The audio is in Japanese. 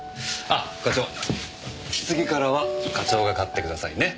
あっ課長次からは課長が買ってくださいね。